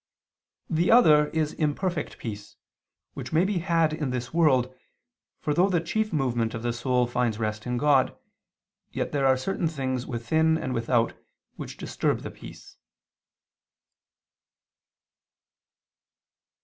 The other is imperfect peace, which may be had in this world, for though the chief movement of the soul finds rest in God, yet there are certain things within and without which disturb the peace.